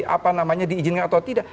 apa namanya diizinkan atau tidak